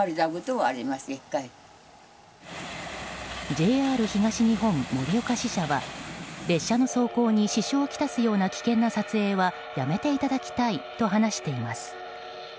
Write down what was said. ＪＲ東日本盛岡支社は列車の走行に支障を来すような危険な撮影はやめていただきたいと話しています。